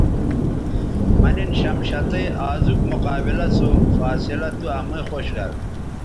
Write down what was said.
مہ نِن شمشتئ آزوک مقابلہ سو فاصلہ تو امئ خوش گر